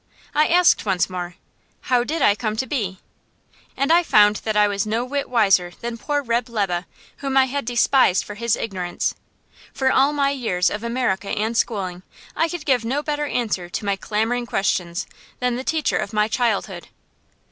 I asked once more, How did I come to be? and I found that I was no whit wiser than poor Reb' Lebe, whom I had despised for his ignorance. For all my years of America and schooling, I could give no better answer to my clamoring questions than the teacher of my childhood.